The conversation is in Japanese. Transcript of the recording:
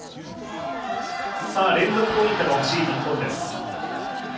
連続ポイントが欲しい日本です。